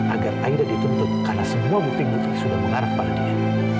agar aida dituntut karena semua bukti bukti sudah mengarah kepada dia